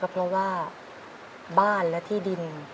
ตาลนาหลานตาย